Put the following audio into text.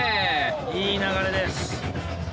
いい流れです。